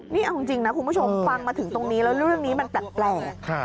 นี่เอาจริงนะคุณผู้ชมฟังมาถึงตรงนี้แล้วเรื่องนี้มันแปลก